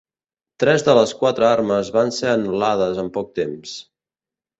Tres de les quatre armes van ser anul·lades en poc temps.